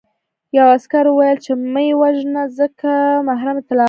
یوه عسکر وویل چې مه یې وژنه ځکه محرم اطلاعات لري